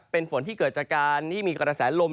เป็นฝนที่เกิดจากการที่มีกระแสลม